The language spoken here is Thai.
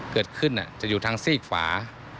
เกิดขึ้นจะอยู่ทางซีกฝา